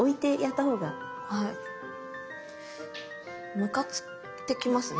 ムカついてきますね。